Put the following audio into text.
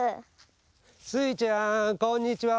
スイちゃんこんにちは。